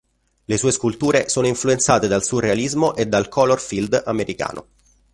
Le sue sculture sono influenzate dal surrealismo e dal Color field americano.